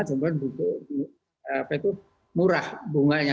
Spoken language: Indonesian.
sebenarnya buku apa itu murah bunganya